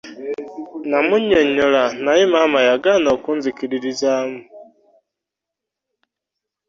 Namunyonyola naye maama yagaana okunzikiririzaamu.